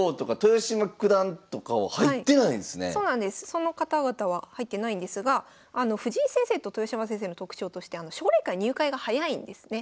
その方々は入ってないんですが藤井先生と豊島先生の特徴として奨励会入会が早いんですね。